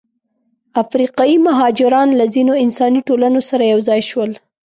افریقایي مهاجران له ځینو انساني ټولنو سره یوځای شول.